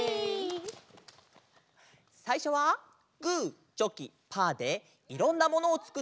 さいしょはグーチョキパーでいろんなものをつくってあそぶうた。